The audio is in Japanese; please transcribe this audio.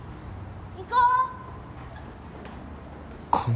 行こう。